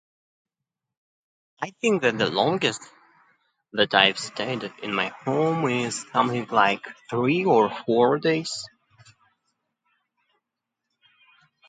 I think that the longest that I've stayed at in my home is something like three or four days.